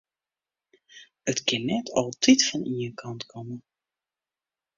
It kin net altyd fan ien kant komme.